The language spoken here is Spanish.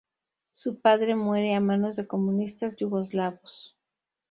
Su padre muere a manos de comunistas yugoslavos.